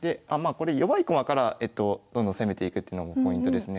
これ弱い駒からどんどん攻めていくっていうのもポイントですね。